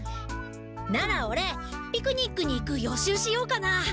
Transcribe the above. ならオレピクニックに行く予習しようかな。